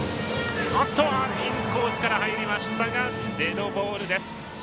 インコースから入りましたがデッドボールです。